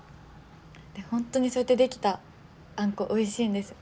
本当にそうやって出来たあんこおいしいんです。